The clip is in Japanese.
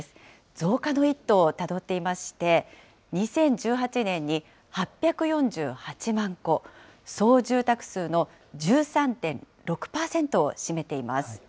増加の一途をたどっていまして、２０１８年に８４８万戸、総住宅数の１３．６％を占めています。